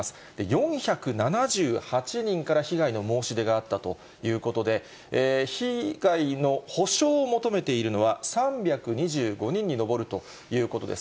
４７８人から被害の申し出があったということで、被害の補償を求めているのは３２５人に上るということです。